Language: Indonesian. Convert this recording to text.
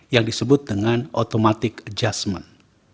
yang disebut dengan automatic adjustment